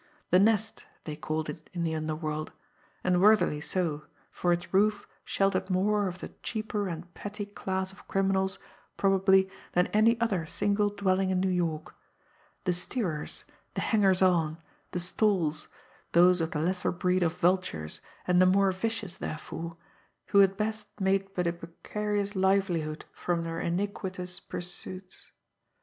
The Nest, they called it in the underworld; and worthily so, for its roof sheltered more of the cheaper and petty class of criminals probably than any other single dwelling in New York the steerers, the hangers on, the stalls, those of the lesser breed of vultures, and the more vicious therefore, who at best made but a precarious livelihood from their iniquitous pursuits.